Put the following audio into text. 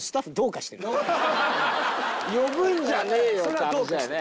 呼ぶんじゃねえよって話だよね。